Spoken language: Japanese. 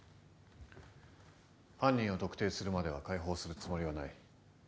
犯人を特定するまでは解放するつもりはない。